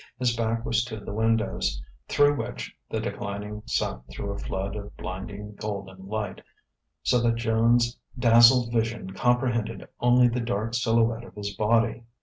His back was to the windows, through which the declining sun threw a flood of blinding golden light, so that Joan's dazzled vision comprehended only the dark silhouette of his body.